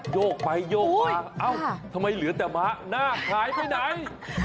โยกไปโยกมาเอ้าทำไมเหลือแต่ม้าหน้าหายไปไหน